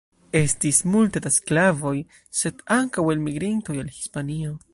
Estis multe da sklavoj, sed ankaŭ elmigrintoj el Hispanio.